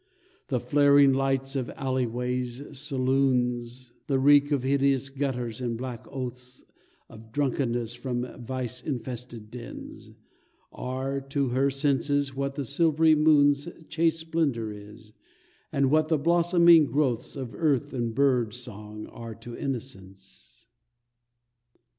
The flaring lights of alley way saloons, The reek of hideous gutters and black oaths Of drunkenness from vice infested dens, Are to her senses what the silvery moon's Chaste splendor is, and what the blossoming growths Of earth and bird song are to innocence.